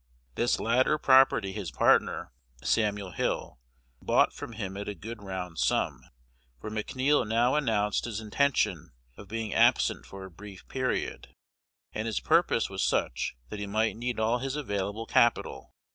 This latter property his partner, Samuel Hill, bought from him at a good round sum; for McNeil now announced his intention of being absent for a brief period, and his purpose was such that he might need all his available capital.